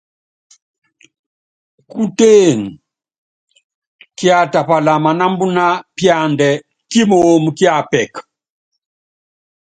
Kutéen, kiatapala manámbúná píandɛ́ kímoomi kíapɛk.